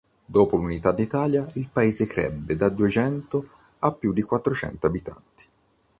Dopo l'unità d'Italia il paese crebbe da duecento a più di quattrocento abitanti.